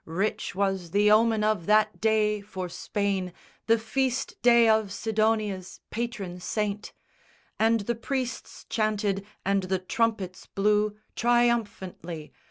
Rich was the omen of that day for Spain, The feast day of Sidonia's patron saint! And the priests chanted and the trumpets blew Triumphantly!